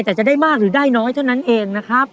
แต่จะได้มากหรือได้น้อยเท่านั้นเองนะครับ